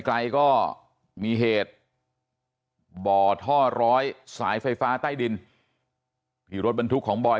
ไกลก็มีเหตุบ่อท่อร้อยสายไฟฟ้าใต้ดินที่รถบรรทุกของบอย